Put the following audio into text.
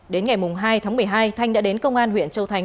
đến ngày hai tháng một mươi hai thanh đã đến công an huyện châu thành